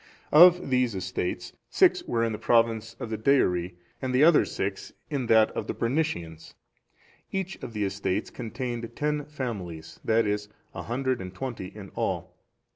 Of these estates six were in the province of the Deiri, and the other six in that of the Bernicians. Each of the estates contained ten families, that is, a hundred and twenty in all.